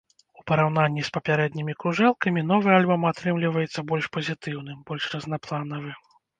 У параўнанні з папярэднімі кружэлкамі, новы альбом атрымліваецца больш пазітыўным, больш разнапланавы.